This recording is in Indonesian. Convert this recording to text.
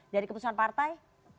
dari keputusan partai